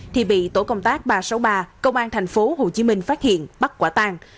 thì bị tổ công tác ba trăm sáu mươi ba công an tp hcm phát hiện bắt quả tàng